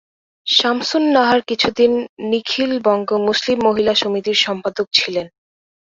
শামসুন নাহার কিছুদিন নিখিল বঙ্গ মুসলিম মহিলা সমিতির সম্পাদক ছিলেন।